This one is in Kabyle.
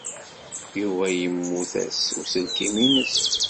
Yuba yemmut-as uselkim-nnes.